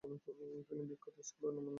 তিনি বিখ্যাত স্কলার নোমান আলী খানের শিক্ষক।